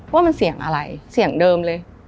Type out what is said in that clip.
ว่ามันเสียงอะไรเสียงเดิมเลย